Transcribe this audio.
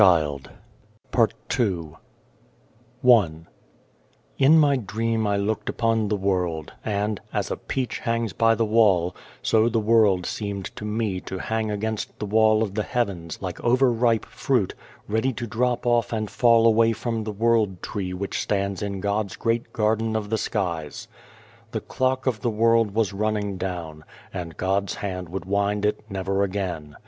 267 PART II I IN my dream I looked upon the world, and, as a peach hangs by the wall, so the world seemed to me to hang against the wall of the heavens, like over ripe fruit, ready to drop off and fall away from the world tree which stands in God's great garden of the skies. The clock of the world was running down, and God's hand would wind it never again.